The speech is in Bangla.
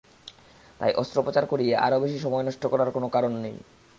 তাই অস্ত্রোপচার করিয়ে আরও বেশি সময় নষ্ট করার কোনো কারণ নেই।